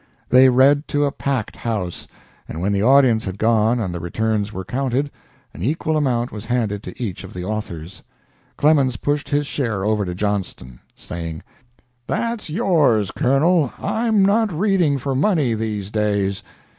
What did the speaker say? They read to a packed house, and when the audience had gone and the returns were counted, an equal amount was handed to each of the authors. Clemens pushed his share over to Johnston, saying: "That's yours, Colonel. I'm not reading for money these days."